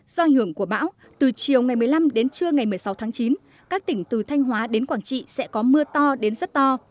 do ảnh hưởng của bão từ chiều ngày một mươi năm đến trưa ngày một mươi sáu tháng chín các tỉnh từ thanh hóa đến quảng trị sẽ có mưa to đến rất to